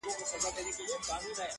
چي یې لاستی زما له ځان څخه جوړیږي،